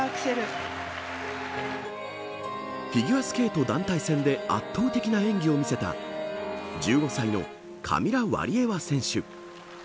フィギュアスケート団体戦で圧倒的な演技を見せた１５歳のカミラ・ワリエワ選手。